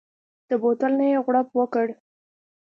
د بوتل نه يې غړپ وکړ.